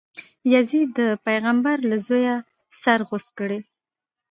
یزید د پیغمبر له زویه سر غوڅ کړی.